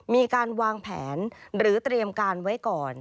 มีการวางแผนหรือเตรียมการไว้ก่อน